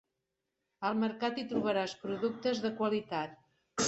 Al Mercat hi trobaràs productes de qualitat.